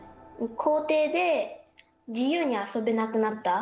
校庭で自由に遊べなくなった。